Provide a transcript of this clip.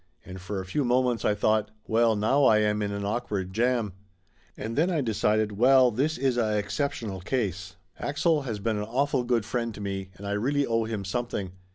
And for a few moments I thought "Well, now I am in an awkward jam." A'nd then I decided, "Well, this is a exceptional case. Axel has been an awful good friend to me and I really owe him something.